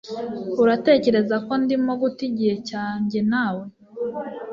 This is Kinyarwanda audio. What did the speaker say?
Uratekereza ko ndimo guta igihe cyanjye na we